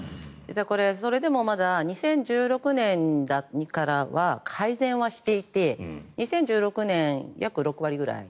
それでも２０１６年からは改善はしていて２０１６年、約６割ぐらい。